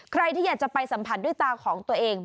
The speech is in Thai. ใครที่อยากจะไปสัมผัสด้วยตาของตัวเอง